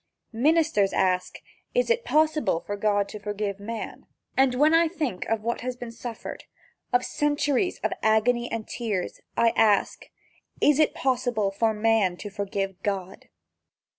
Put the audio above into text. Ministers ask: Is it possible for God to forgive man? And when I think of what has been suffered of the centuries of agony and tears, I ask: Is it possible for man to forgive God?